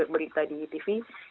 berita di tv